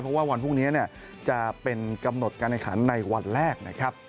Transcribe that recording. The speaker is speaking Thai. เพราะว่าวันพรุ่งนี้จะเป็นกำหนดการแข่งขันในวันแรกนะครับ